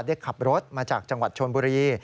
ได้ขับรถมาจากจังหวัดชนบุรี